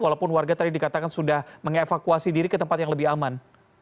walaupun warga tadi dikatakan sudah mengevakuasi diri ke tempat yang lebih aman